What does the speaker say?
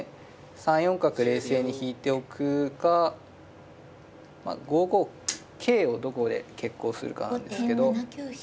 ３四角冷静に引いておくか５五桂をどこで決行するかなんですけど。